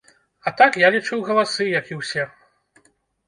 А так, я лічыў галасы, як і ўсе.